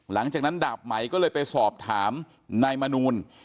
หลังจากนั้นดาบไหมก็เลยไปสอบถามนายมนูล